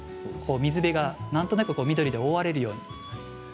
水辺がなんとなく緑で覆われるように。